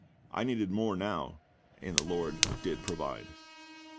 I needed more now, and the LORD did provide.